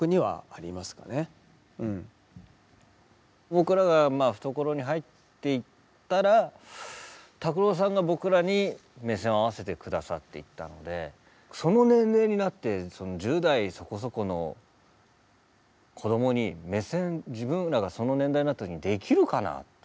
僕らがまあ懐に入っていったら拓郎さんが僕らに目線を合わせて下さっていったのでその年齢になって１０代そこそこの子どもに目線自分らがその年代になった時にできるかな？